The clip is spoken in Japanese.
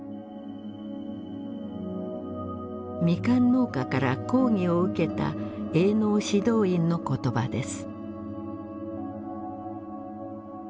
ミカン農家から抗議を受けた営農指導員の言葉です。